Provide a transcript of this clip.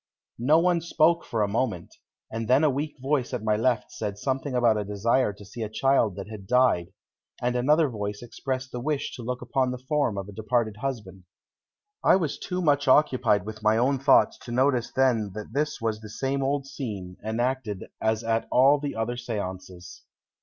No one spoke for a moment, and then a weak voice at my left said something about a desire to see a child that had died, and another voice expressed the wish to look upon the form of a departed husband. I was too much occupied with my own thoughts to notice then that this was the same old scene, enacted as at all the other séances.